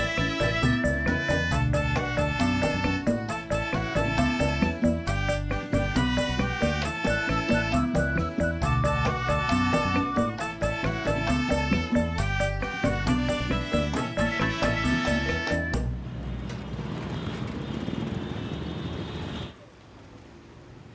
agak dimasukin botol minuman